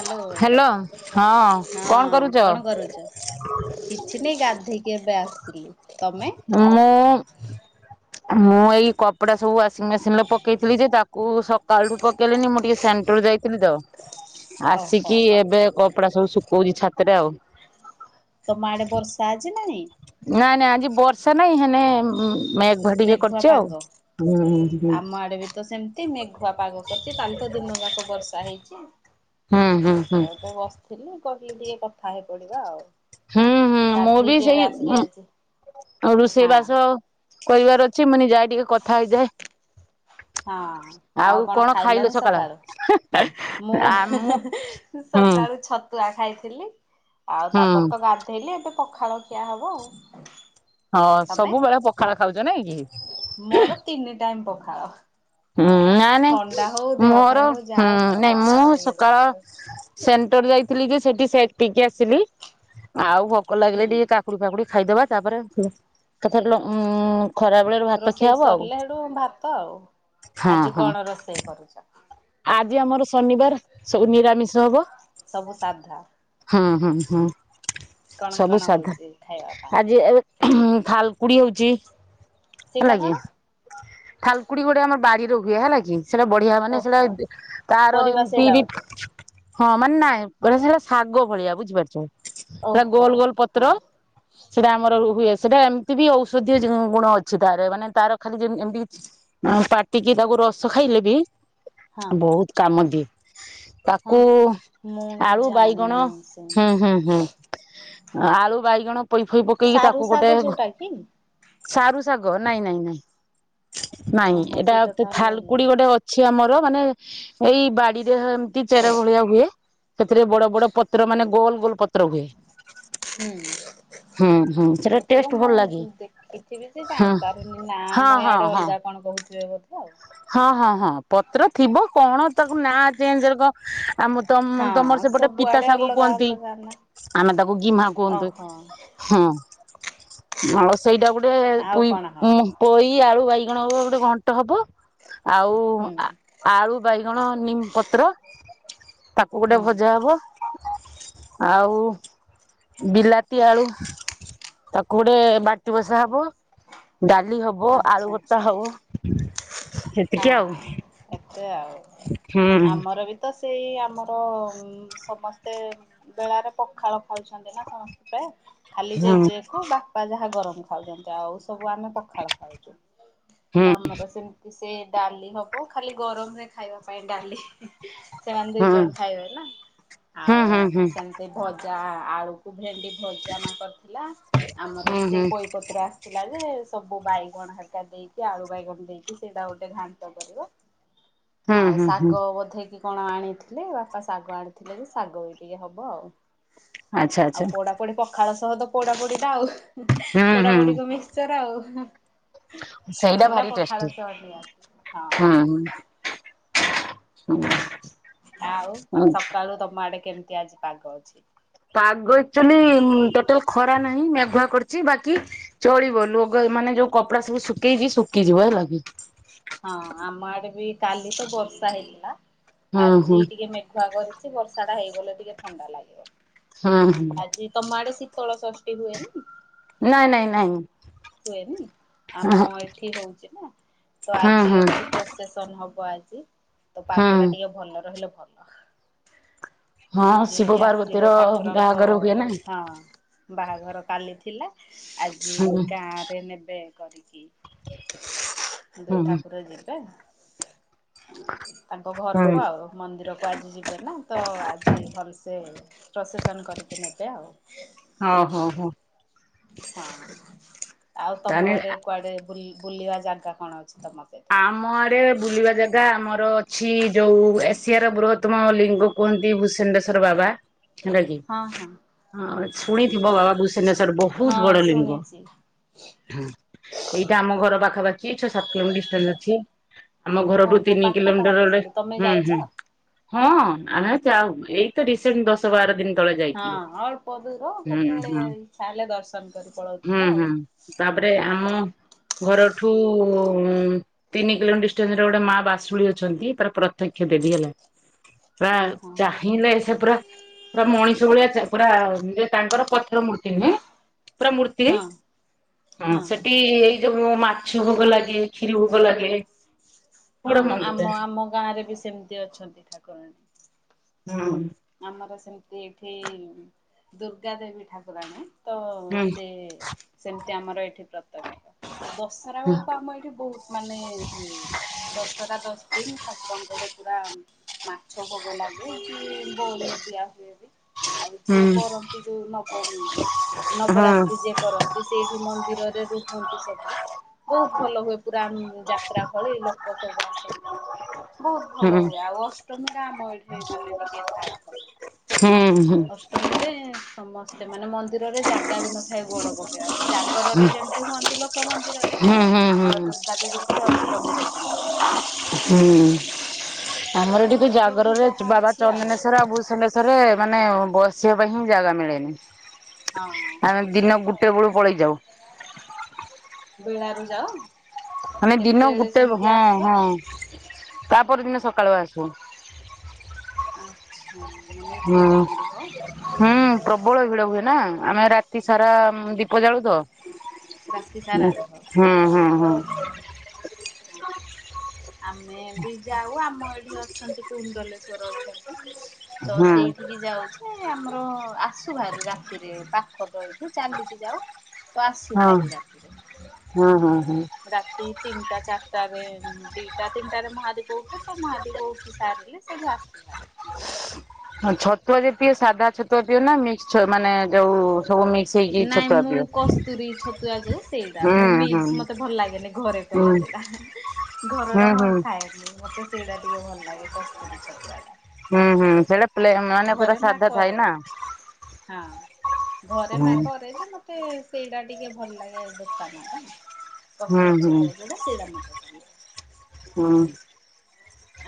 Hello hello କଣ ହଁ କରୁଛ? କଣ କରୁଚ। କିଛି ନି ଗାଧେଇକି ଏବେ ଆସୁଥିଲି ତମେ। ମୁଁ ମୁଁ ଏଇ କପଡା ସବୁ ୱାସୀଙ୍ଗି ମେସିନରେ ପକେଇଥିଲି ଯେ ତା କୁ ସକାଳଠୁ ପକେଇଲେନି ମୁଁ ଟିକେ ସେଣ୍ଟର ଯାଇଥିଲି ତ ଓହୋ ଆସିକି ଏବେ କ ପଡ଼ା ସବୁ ଶୁକୋଉଚି ଛାତରେ ଆଉ। ତମ ଆଡେ ବର୍ଷା ଆଜି ନାହିଁ। ନାଇଁ ନାଇଁ ଆଜି ବର୍ଷା ନାଇଁ ହେନେ ଉଁ ମେଘୁଆ ଟିକେ କରିଚି ଆଉ ହୁଁ ହୁଁ ହୁଁ। ଆମ ଆଡେ ବିତ ସେମ ତି ମେଘୁଆ ପାଗ କରିଚି କାଲି ତ ଦିନ ଯାକ ବର୍ଷା ହେଇଛି ହୁଁ ହୁଁ ହୁଁ ତ ଏବେ ବସ୍ ଥିଲି କହିଲି ଟିକେ କଥା ହେଇ ପଡିବା ଆଉ। ହୁଁ ହୁଁ ମୁଁ ବି ଗାଧେଇକି ଏବେ ସେଇ ଆସିଲି ଉଁ ଆଜି। ରୁଷେଇ ହଁ ବାସ କରିବାର ଅଛି ମୁଁନି ଯାଏ ଟିକେ କଥା ହେଇଯାଏ। ହଁ ଆଉ କଣ ଖାଇଲଣି ସକାଳୁ ମୁଁ ହୁଁ ସକାଳୁ ଛ ତୁଆ ଖାଇଥିଲି ଆଉ ହୁଁ। ତାପରେ ତ ଗାଧେଇଲି ଏବେ ପଖାଳ ଖିଆ ହବ ଆଉ। ହଁ ତମେ? ସବୁବେଳେ ପଖାଳ ଖାଉଚ ନାଇଁ କି? ମୋର ତିନି ଟାଇମ ପଖାଳ। ହୁଁ ନାଁ ଥଣ୍ଡା ହଉ ନାଇଁ ଦେହ ମୋରୋ ଖରାପ ହଉ ହୁଁ ଯାହା ହଉ ମୋର ନାଇଁ ମୁଁ ପଖାଳ ଟିକେ ସକାଳ ଦରକାର। ସେଣ୍ଟର ଯାଇଥିଲି ଯେ ସେଠି ସେକ୍ ପିଇକି ଆସିଲି, ଆଉ ଭୋକୋ ଲାଗିଲେ ହୁଁ। ଟିକେ କା ଫୁଲ ପାକୁଡ଼ି ଖାଇଦେବା ତାପରେ ଆସିବା ଉଁ ଖରାବେଳେ ରୋ ରୋଷେଇ ସରିଲେ ହେଠୁ ଭାତ ଆଉ, ହଁ ଆଜି ହଁ କଣ ରୋଷେଇ କରୁଚ? ଆଜି ଆମର ଶନିବାର ସବୁ ନିରାମିଷ ହବ। ସବୁ ସାଧା। ହୁଁ ହୁଁ ହୁଁ କଣ ସବୁ କଣ ସାଧା ହଉଛି ଖାଇବା ପାଇଁ? ଆଜି ଏବେ ଥାଲକୁଡି ହୋଉଚି ସେଇଟା ହେଲା କି କଣ? ଥାଲକୁଡି ଗୋଟେ ଆମର ବାଡିରେ ହୁଏ ହେଲା କି ସେଟା ବଢିଆ ମା ଓହୋ [unintelligible] ତାର ପରିବା ଏମିତି ସେଇଟା ବି ଗୋଟେ ହଁ ମାନେ ନାଇଁ ପୁରା ସେଟା ଶାଗ ଭଳିଆ ବୁଝିପାରୁଚ ସେଟା ଓହୋ ଗୋଲ ଗୋଲ ହଁ ପତ୍ର ସେଟା ଆମର ହୁଏ ସେଟା ଏମିତି ବି ଔଷଧୀୟ ଜ ଗୁଣ ଅଛି ତାରେ ମାନେ ତାର ଖାଲି ଯେ ଏମିତି ଆଁ ପାଟିକି ତାକୁ ରସ ଖାଇଲେ ବି ହଁ ବୋହୁତ କାମ ଦିଏ। ତାକୁ ହଁ। ମୁଁ ଆଳୁ ବାଇଗଣ ଜାଣିନି ହୁଁ ସେମିତି। ହୁଁ ହୁଁ ଆଳୁ ବାଇଗଣ ପୋଇ ଫୋଇ ପକେଇକି ସାରୁ ତାକୁ ଗୋଟେ ଶାଗ ଯୋଉଟା କି ସାରୁ ଶାଗ। ଓହୋ ସେଇଟା ତାହେଲେ ଅଲଗା। ଚି ଆମର ମାନେ ଏଇ ବାଡିରେ ହେମତି ଚେର ଭଳିଆ ହୁଏ। ସେଥିରେ ବଡ ବଡ ପତ୍ର ମାନେ ଗୋଲ ଗୋଲ ପତ୍ର ହୁଏ। ହୁଁ। ହୁଁ ହୁଁ ସେଟା ହେଇଥିବ ଟେଷ୍ଟ ମୁଁ ଭଲ ଲାଗେ ଦେଖିଥିବି ଯେ ହଁ ଜାଣିପାରୁନି ନା ହଁ ଆମ ହଁ ୟାଡେ ହଁ। ଅଲଗା। କଣ କୋହୁଥିବେ ବୋଧେ ଆଉ। ହଁ ହଁ ହଁ ପତ୍ର ଥିବ କଣ ତାକୁ ନାଁ ଚେଞ୍ଜରେ କ ଆମ ତମ ତମର ହଁ ସେପଟେ ପିତା ସବୁଆଡେ ଶାଗ ଅଲଗା କୁହନ୍ତି। ଅଲଗା ନା। ଆମେ ତାକୁ ଗୀମା କୁହନ୍ତୁ। ଓହୋ ହଁ [unintelligible] ସେଇଡା ଗୁଟେ ଆଉ ପୁଇ କଣ ଉଁ ହବ ପୋଇ ଆଳୁ ବାଇଗଣ ଗୋ ଗୋଟେ ଘଣ୍ଟ ହବ। ଆଉ ହୁଁ ଆ ଆଳୁ ବାଇଗଣ ନିମ ପତ୍ର ତା କୁ ଗୋଟେ ହୁଁ ଭଜା ହବ ଆଉ ବିଲାତି ଆଳୁ ତାକୁ ଗୋଟେ ବାଟି ବସା ହବ, ଡାଲି ହବ, ଆଳୁ ଆଚ୍ଛା। ଭର୍ତା ହବ ସେତିକି ଆଉ ହଁ ଏତେ ଆଉ ହୁଁ ଆମର ବି ତ ସେଇ ଆମର ଉଁ ସମସ୍ତେ ବେଳାରେ ପଖାଳ ଖାଉଛନ୍ତି ନା ସମସ୍ତେ ପ୍ରାୟେ। ଖାଲି ହୁଁ ଜେଜେକୁ ବାପା ଯାହା ଗରମ ଖାଉଚନ୍ତି ଆଉ ସବୁ ଆମେ ପଖାଳ ଖାଉଚୁ ତ ହୁଁ। ଆମର ସେମ୍ ସେ ଡାଲି ହବ ଖାଲି ଗରମରେ ଖାଇବା ପାଇଁ ଡାଲି। ସେମାନେ ଦି ହୁଁ ଜଣ ଖାଇବେ ନା ହୁଁ ଆଉ ହୁଁ ମୁଁ ହୁଁ ସେମିତି ଭଜା ଆଳୁ କୁ ଭେଣ୍ଡି ଭଜା ନ କରିଥିଲା ଆମର ବି ହୁଁ ସେଇ ହୁଁ ପୋଇ କତୁରେ ଆସିଥିଲା ଯେ ସବୁ ବାଇଗଣ ହରିକା ଦେଇକି ଆଳୁ ବାଇଗଣ ଦେଇକି ସେଇଟା ଗୋଟେ ଘାଣ୍ଟ କରିବା ହୁଁ ଆଉ ହୁଁ ହୁଁ ଶାଗ ବୋଧେ କି କଣ ଆଣିଥିଲେ ବାପା ଶାଗ ଆଣିଥିଲେ ଯେ ଶାଗ ବି ଟିକେ ହବ ଆଉ ଆଚ୍ଛା ଆଉ ଆଚ୍ଛା ପୋଡା ପୁଣି ପଖାଳ ସହ ତ ପୋଡା ପୋଡିଟା ଆଉ ହୁଁ ପୋଡାପୋଡିକୁ ହୁଁ ମିକ୍ସର ଆଉ। ସେଇଟା ଭାରି ପଖାଳ ଟେଷ୍ଟି ସହ ନିହାତି ହଁ। ହୁଁ ହୁଁ। ହୁଁ। ଆଉ ସକାଳୁ ତମ ଆଡେ କେମତି ଆଜି ପାଗ ଅଛି? ପାଗ ଏକଚୋଲି ଉମ୍ ଟୋଟାଲ ଖରା ନାହିଁ ମେଘୁଆ କରିଚି ବାକି ଚଳିବ ଲୁଗା ଏ ମାନେ ଯୋଉ କପଡା ସବୁ ଶୁକେଇଚି ଶୁକିଯିବ ହେଲା କି। ହଁ ଆମ ଆଡେ ବି କାଲି ତ ବର୍ଷା ହେଇଥିଲା ହୁଁ ହୁଁ ଆଜି ଟିକେ ମେଘୁଆ କରି ବର୍ଷାଟା ହେଇଗଲେ ଟିକେ ଥଣ୍ଡା ଲାଗିବ ହୁଁ ହୁଁ ଆଜି ତମ ଆଡେ ଶୀତଳ ଷଷ୍ ଟି ହୁଏନି। ନାଇଁ ନାଇଁ ନାଇଁ। ହୁଏନି ଆମ ଏଠି ହୋଉଚି ନା ତ ହୁଁ ଆଜି ହୁଁ ଅଛି ପ୍ରୋସେସନ ହବ ଆଜି ତ ହୁଁ ପାଗଟା ଟିକେ ଭଲ ରହିଲେ ଭଲ। ହଁ ଆଜି ଶିବ ଏଇଠି ପାର୍ବତୀର ଆସିବ ଠାକୁରଙ୍କ ବାହାଘର ହୁଏ ନା ହଁ। ବାହାଘର କାଲି ଥିଲା ଆଜି ହୁଁ ଗାଁରେ ନେବେ କରିକି ହୁଁ ଦୁଇ ଠାକୁର ଯିବେ। ତାଙ୍କ ହୁଁ ଘରକୁ ଆଉ ମନ୍ଦିରକୁ ଆଜି ଯିବେ ନା ତ ଆଜି ଭଲସେ ପ୍ରସେସନ କରିକି ନେବେ ଆଉ। ହଁ ହୋଉ ହୋଉ। ହ ଆଉ ତମ ତାହେଲେ ଆଡେ କୁଆଡେ ବୁଲ-ବୁଲିବା ଜାଗା କଣ ଅଛି ତମ ସେଠି? ଆମ ଆଡେ ବୁଲିବା ଜା ଗା ଆମର ଅଛି ଯୋଉ ଏସିଆର ବୃହତ୍ତମ ଲିଙ୍ଗ କୁହନ୍ତି ଭୂସେଣ୍ଡେଶ୍ଵର ବାବା। ହେଲାକି ହଁ କିି ହଁ। ହଁ ଶୁଣିଥିବ ବାବା ଭୂସ୍ ସେଣ୍ଡେଶ୍ଵର ହଁ ବୋହୁତ ବଡ ଲିଙ୍ଗ। ଶୁଣିଛି ହୁଁ ଏଇଟା ଆମ ଘର ପାଖାପାଖି ଛଅ ସାତ କିଲୋମି ଡିସ୍ ତରେ ଅଛି ଆମ ଘରଠୁ ଓହୋ ତିନି ପାଖ ତାହେଲେ କିଲୋମିଟର ଗୋଟେ ସେଇଠୁ ତମେ ହୁଁ ଯାଇଛ? ହୁଁ। ହଁ ଆମେ ଆଉ ଯାଉ ଏଇ ତ ରିସେଣ୍ଟ ଦଶ ବାର ଦିନ ତଳେ ଯାଇଥିଲୁ ହଁ ଅଳ୍ପ ଦୂର ହୁଁ କେତେବେଳେ ହୁଁ। ଇଚ୍ଛା ହେଲେ ଦର୍ଶନ କରି ପଳଉଥିବ ହୁଁ ଆଉ। ହୁଁ ତାପରେ ଆମ ଘରଠୁ ତିନି କିଲୋମିଟର ଡିଷ୍ଟାନ୍ସରେ ଗୋଟେ ମା ବାସୁଳି ଅଛନ୍ତି ତାର ପ୍ରତ୍ୟକ୍ଷ ଦେବି ହେଲା। ପୁରା ଓହୋ ଚାହିଁଲେ ସେ ପୁରା ପୁରା ମଣିଷ ଭଳିଆ ଚା ପୁରା ଯେ ତାଙ୍କର ପଥର ମୂର୍ତ୍ତି ନୁହେଁ। ପୁରା ମୂର୍ତ୍ତି ହଁ ହଁ ସେଠି ଏଇ ଯୋଉ ମାଛ ଭୋଗ ଲାଗେ କ୍ଷୀରୀ ଭୋ ଭୋଗ ଲାଗେ। ହଁ ବଡ ମନ୍ଦିର ଆମ ଆମ ଗାଁରେ ବି ସେମତି ଅଛନ୍ତି ଠାକୁରାଣୀ। ହଁ। ଆମର ସେମତି ଏଠି ଦୁର୍ଗା ଦେବୀ ଠାକୁରାଣୀ। ତ ହୁଁ ସେ ସେମତି ଆମର ଏଠି ପ୍ରତ୍ୟକ୍ଷ। ଦଶରା ବେଳକୁ ଆମ ଏଇଠି ବହୁତ୍ ମାନେ ହୁଏ ଦଶରା ଦଶ ଦିନ୍ ଠାକୁରଙ୍କର ପୁରା ମାଛ ଭୋଗ ଲାଗେ [unintelligible] ଦିଆ ହୁଏ ବି ଆଉ ଯିଏ ହୁଁ କରନ୍ତି ଯୋଉ ନବମୀ ହଁ ନବରାତ୍ରି। ଯିଏ କରନ୍ତି ସେଇଠି ମନ୍ଦିରରେ ରୁହନ୍ତି ସବୁ। ବହୁତ୍ ଭଲ ହୁଏ ପୁରା ଯାତ୍ରା ଭଳି ଲୋକ ସବୁ ଆସନ୍ତି। ବହୁତ୍ ଭଲ ହୁଁ ହୁଏ ଆଉ ଅଷ୍ଟମୀ ଟା ଆମ ଏଠି ମାନେ ଟିକେ [unintelligible] ହୁଁ ହୁଁ ଅଷ୍ଟମୀରେ ସମ- ସେ ମାନେ ମନ୍ଦିରରେ ଜାଗା ବି ନଥାଏ ଗୋଡ଼ ପକେଇବାକୁ ଜାଗରରେ ଯେମିତି ହୁଅନ୍ତି ଲୋକ ମନ୍ଦିରରେ ହୁଁ ହୁଁ ଆମର ହୁଁ ଦୁର୍ଗା ଦେବୀଙ୍କ ଅଷ୍ଟମୀରେ ସେମିତି ହୁଅନ୍ତି। ହୁଁ ଆମର ଏଠି ବି ଯୋଉଠି ଜାଗରରେ ଯାହା ବାବା ଅଛି ଚନ୍ଦନେଶ୍ୱର ଆଉ ଭୁଷଣେ ଥରେ ମାନେ ବସିବା ପାଇଁ ହିଁ ଜାଗା ମିଳେନି। ହଁ ଆମେ ହଉଥିବ ଦିନ ତ ଗୁଟେ ବେଳୁ ପଳେଇ ଯାଉ। ବେଳାରୁ ଯାଅ। ଆମେ ଦିନ କୁ ଗୁ କେତେବେଳେ ଟେ ସେମିତି ହଁ ଆସ ହଁ ତାପର ଦିନ ସକାଳୁ ଆସୁ। ଆଚ୍ଛା ମାନେ ଏତେ ହୁଁ ଟାଇମ୍ ରୁହ। ହୁଁ ପ୍ରବଳ ଭିଡ଼ ହୁଏ ନା ଆମେ ରାତି ସାରା ଦୀପ ଜାଳୁ ତ। ରାତି ସାରା ରୁହ ହୁଁ ହୁଁ ହୁଁ। [unintelligible] ଆମେ ବି ଯାଉ ଆମ ଏଠି ଅଛନ୍ତି କୁଣ୍ଡଲେଶ୍ଵର ଅଛନ୍ତି। ତ ହୁଁ ସେଇଠିକି ଯାଉଛେ ଆମର ଆସୁ ଭାରି ରାତିରେ ପାଖ ଦଳି ଚାଲିକି ଯାଉ ତ ଆସୁ ହଁ ଭାରି ରାତିରେ। ହୁଁ ହୁଁ ହୁଁ ରାତି ତିନିଟା ଚାରିଟା ରେ ଦିଟା ତିନିଟାରେ ମହାଦୀପ ଉଠେ। ତ ମହାଦୀପ ଉଠି ସାରିଲେ ସେଠୁ ଆସେ ଭାରି। ଛତୁଆ ଯେତିକ ସାଧା ଛତୁଆ ପିଅ ନା ମିକ୍ସ ମାନେ ଯୋଉ ସବୁ ମିକ୍ସ ହେଇକି ନାଇଁ ଛତୁଆ ମୁଁ ପିଅ କସ୍ତୁରୀ ଛତୁଆ ଯୋଉ ସେଇଟା ହୁଁ ମୁଁ ହୁଁ ମିକ୍ସ ମତେ ଭଲ ଲାଗେନି ଘରେ ହୁଁ କଲେ ସେଇଟା ଘର ଟା ହୁଁ ହୁଁ ମୁଁ ହୁଁ ଖାଏନି। ମତେ ସେଇଟା ଟିକେ ଭଲ ଲାଗେ କସ୍ତୁରୀ ଛତୁଆ ଟା। ହୁଁ ହୁଁ ସେଇଟା ପ୍ଲେ ମାନେ ପୁରା ସାଧା ଥାଏ କରେ ନା। ହଁ। ଘରେ ମା ହୁଁ କରେ ଯେ ମତେ ସେଇଟା ଟିକେ ଭଲ ଲାଗେ ଦୋକାନ ଟା। ହୁଁ କସ୍ତୁରି ହୁଁ ଛତୁଆ ଯୋଉଟା ସେଇଟା ମତେ ଭଲ ଲାଗେ। ହୁଁ।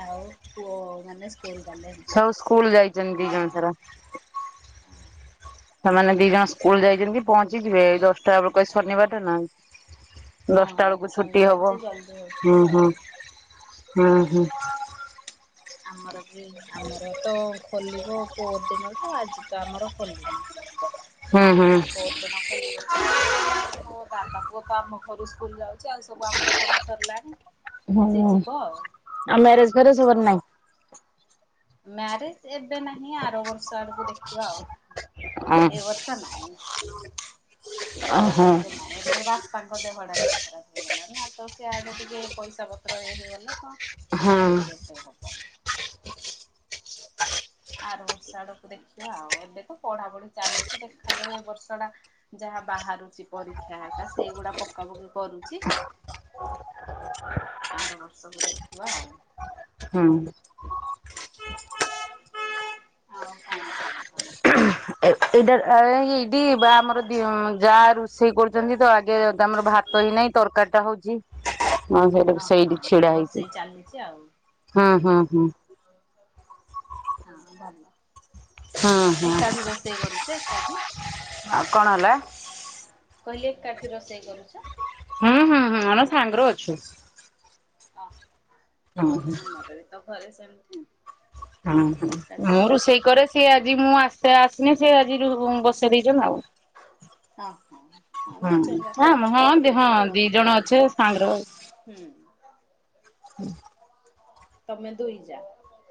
ଆଉ ପୁଅ ମାନେ ସ୍କୁଲ ଗଲେଣି? ସବୁ ସ୍କୁଲ୍ ଯାଇଛନ୍ତି ଦି ଜଣ ସାରା। ସେମାନେ ଦି ଜଣ ସ୍କୁଲ୍ ଯାଇଛନ୍ତି ପହଞ୍ଚିଯିବେ ଦଶଟା ବେଳକୁ ଆଜି ଶନିବାର ଟା ନା। ହଁ ଦଶଟା ଆଜି ବେଳକୁ ଛୁଟି ଶନିବାର ଯେ ହବ ଜଲ୍ଦି ହୁଁ ହଉଥିବ ଆଉ ହୁଁ ହୁଁ ହଁ। ହୁଁ। ଆମର ବି ଆମର ତ ଖୋଲିବ ପହରଦିନଠୁ ଆଜି ତ ଆମର ଖୋଲିନି। ହୁଁ ହୁଁ। ପହର ଦିନ ଖୋଲିବ ମୋ ଦାଦା ପୁଅ ତ ଆମ ଘରୁ ସ୍କୁଲ୍ ଯାଉଛି ଆଉ ସବୁ ଆମର ପଢ଼ା ସରିଲାଣି। ହୁଁ ସେ ଆଉ ଯିବ ଆଉ ମ୍ୟାରେଜ୍ ଫ୍ୟାରେଜ୍ ହବରା ନାଇଁ? ମ୍ୟାରେଜ୍। ଏବେ ନାହିଁ ଆର ବର୍ଷ ଆଡ଼କୁ ଦେଖିବା ଆଉ ଏ ବର୍ଷ ନାଇଁ। ଓହୋ ଏବେ ନାଇଁ। ତ ବାପା ଙ୍କ ଦେହଟା ଟିକେ ଖରାପ ହେଇଗଲା ନା ତ ସିଆଡ଼େ ଟିକେ ପଇସା ପତ୍ର ଇଏ ହେଇଗଲା ତ ହଁ ମ୍ୟାରେଜ୍ ଏବେ ହବ ଆର ବର୍ଷ ଆଡ଼କୁ ଦେଖିବା ଆଉ ଏବେ ତ ପଢ଼ାପଢ଼ି ଚାଲିଛି ଦେଖାଯାଉ ଏ ବର୍ଷ ଟା - ଯାହା ବାହାରୁଛି ପରୀକ୍ଷା ହେରିକା ସେଇଗୁଡା଼ ପକା ପକି କରୁଛି। ଆର ବର୍ଷକୁୁ ଦେଖିବା ଆଉ। ହୁଁ। ଆଉ କଣ ଖବର ତମର? ଏଇଟା ଏ ଏଇଠି ବା ଆମର ଦି ଜଣ ଯାଆ ରୋଷେଇ କରୁଛନ୍ତି ତ ଆଗେ ତମର ଭାତ ତହି ନାଇଁ ତରକାରୀ ଟା ହୋଉଛି। ହଁ ସେଇଟା ଓ ସେଇଠି ଛିଡା ହଁ ହେଇଛି ରୋଷେଇ ଚାଲିଛି ଆଉ ହୁଁ ହୁଁ ହୁଁ। ହଁ ଭଲ। ହୁଁ ହୁଁ ଏକାଠି ରୋଷେଇ କରୁଛେ ଏକାଠି। ଆଉ କଣ ହେଲା? ମୁଁ କହିଲି ଏକାଠି ରୋଷେଇ କରୁଛ? ହୁଁ ହୁଁ ହୁଁ ଆମେ ସାଙ୍ଗରେ ଅଛୁ। ହୁଁ ହୁଁ ହଁ ଆମର ତ ଘରେ ସେମତି। ହୁଁ ହଁ ମୁଁ ରୋଷେଇ କରେ ସିଏ ଆଜି ମୁଁ ଆସେ ଆସିନି ସେ ଆଜି ବସେଇ ଦେଇଛନ୍ତି ଆଉ। ହଁ ହଁ। ହଁ ଦି ଜଣ ହୁଁ ଯାକ ଆମ ଅଛ ହଁ ଜିଏ ଦି ହଁ ହେଲେ ଦି କରି ଜଣ ଅଛେ ଦଉଛନ୍ତି ହୁଁ। ହୁଁ। ତମେ ଦୁଇ ଯା?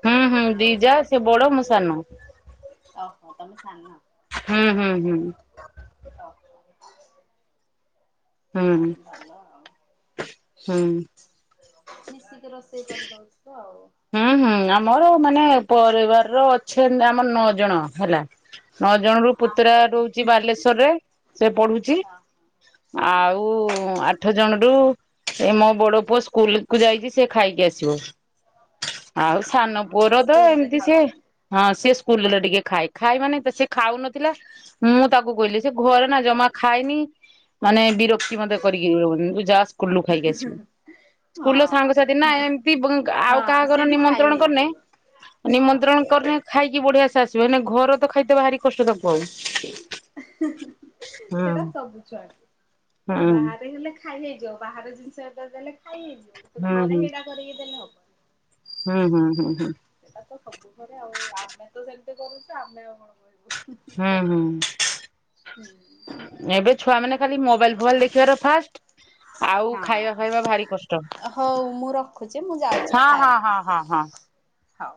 ହୁଁ ହୁଁ ଆଉ ଦିଜା ସେ ବଡ ମୁଁ ସାନ। ଓହୋ ତମେ ସାନ। ହୁଁ ହୁଁ ହୁଁ। [unintelligible] ହୁଁ। ଭଲ ଆଉ ହୁଁ। ମିଶିକି ରୋଷେଇ କରିଦଉଛୁ ଆଉ। ହୁଁ ହୁଁ ଆମର ମାନେ ପରିବାର ର ଅଛି ଆମର ନଅ ଜଣ ହେଲା। ନଅ ଜଣ ହଁ ରୁ ପୁତୁରା ଆମର ବି ହଁ। ରହୁଛି ବାଲେଶ୍ଵରରେ ସେ ପଢୁଛି। ହଁ ଆଉ ଆ ଆଠ ଜଣ ରୁ ମୋ ବଡ ପୁଅ ସ୍କୁଲ କୁ ଯାଇଛି ସେ ଖାଇକି ଆସିବ। ଆଉ ହଁ ସାନ ହଁ ହଁ ପୁଅର ତ ସ୍କୁଲରେ ଏମିତି ସିଏ। ଖାଉଛନ୍ତି ହଁ ସିଏ ସ୍କୁଲରେ ଟିକେ ଖାଏ ଖାଏ ମାନେ ତ ସେ ଖାଉନଥିଲା। ମୁଁ ତାକୁ କହିଲି ସେ ଘରେ ନା ଜମା ଖାଇନି ମାନେ ବିରକ୍ କିଛି ମତେ କରିକି ଦଉନି ତୁ ଯା ସ୍କୁଲରୁ ଖାଇକି ଆସିବୁ। ହଁ। ସ୍କୁଲର ସାଙ୍ଗସାଥି ନା ଏମିତି ଆଉ ହଁ କାହା ଘର ସେଇଠି ଖାଇ ନିମନ୍ତ୍ରଣ କରିନେ ହେଇଯିବ ହଁ ନିମନ୍ତ୍ରଣ ଖାଇକି ବଢିଆ ସେ ଆସିବ ଘର ତ ଖାଇଥ ଭାରି କଷ୍ଟ ତାକୁ ଆଉ। ହୁଁ ସେଟା ସବୁ ଛୁଆକୁ ହୁଁ। ବାହାରେ ହେଲେ ଖାଇ ହେଇଯିବ ବାହାର ଜିନିଷ ଏ ଦେଲେ ଖାଇ ହେଇଯିବତ ହୁଁ ହୁଁ ଘରେ ହେଇଡା କରିକି ଦେଲେ ହବନି। ହୁଁ ହୁଁ ହୁଁ ହୁଁ। ସେଇଟା ତ ସବୁ ଘରେ ଆଉ ଆମେ ତ ସେମିତି କରୁଛୁ ଆମେ ଆଉ କଣ କହିବୁ। ହୁଁ ହୁଁ ଏବେ ଛୁଆ ମାନେ ଖାଲି ମୋବାଇଲ ଫୋବାଇଲ ଦେଖିବାର ଫାଷ୍ଟ। ଆଉ ଖାଇବା ହଁ ଖାଇବା ଭାରି କଷ୍ଟ। ହଉ ମୁଁ ରଖୁଛି ମୁଁ ଯାଉଛି ହଁ ହଁ ଖାଇବି ହଁ ହଁ ହଁ। ହଉ।